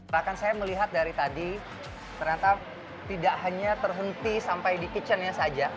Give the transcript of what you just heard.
rakan saya melihat dari tadi ternyata tidak hanya terhenti sampai di kitchen nya saja